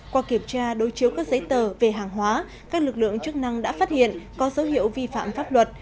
qua kiểm tra đối chiếu các giấy tờ về hàng hóa các lực lượng chức năng đã phát hiện có dấu hiệu vi phạm pháp luật